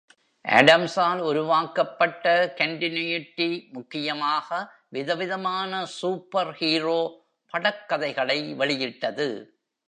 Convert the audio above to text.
ஆடம்ஸால் உருவாக்கப்பட்ட கண்டினுயிடி முக்கியமாக விதவிதமான சூப்பர் ஹீரோ படக்கதைகளை வெளியிட்டது.